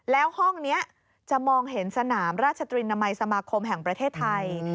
แล้วห้องนี้จะมองเห็นสนามราชตรีนามัยสมาคมแห่งประเทศไทย